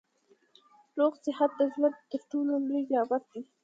روغ صحت د ژوند تر ټولو لوی نعمت دی